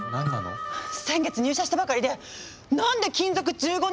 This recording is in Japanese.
先月入社したばかりで何で勤続１５年の私より高いのよ！